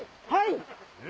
はい！